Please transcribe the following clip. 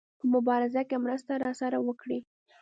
په مبارزه کې مرسته راسره وکړي.